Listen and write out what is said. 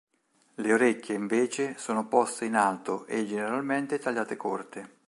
Le orecchie invece sono poste in alto e generalmente tagliate corte.